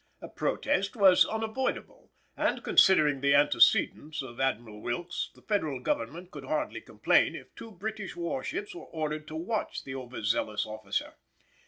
A protest was unavoidable, and considering the antecedents of Admiral Wilkes the Federal Government could hardly complain if two British war ships were ordered to watch the over zealous officer.